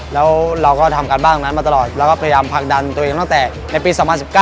แล้วเราก็ทำการบ้านตรงนั้นมาตลอดแล้วก็พยายามผลักดันตัวเองตั้งแต่ในปี๒๐๑๙